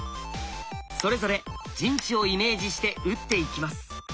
それぞれ陣地をイメージして打っていきます。